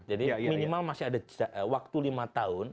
jadi minimal masih ada waktu lima tahun